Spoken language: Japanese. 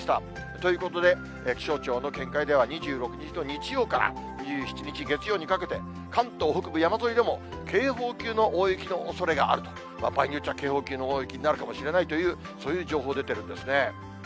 ということで、気象庁の見解では２６日の日曜から２７日月曜にかけて、関東北部山沿いでも、警報級の大雪のおそれがあると、場合によっては警報級の大雪になるかもしれないという、そういう情報出てるんですね。